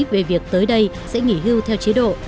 về việc tới đây sẽ nghỉ hưu theo chế độ